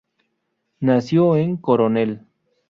Nació en Coronel.